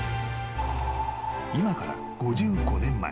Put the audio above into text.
［今から５５年前］